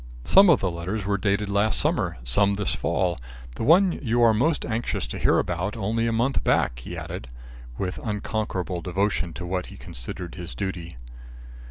"Some of the letters were dated last summer, some this fall. The one you are most anxious to hear about only a month back," he added, with unconquerable devotion to what he considered his duty.